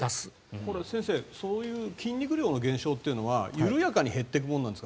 これは先生筋肉量の減少というのは緩やかに減ってくものなんですか。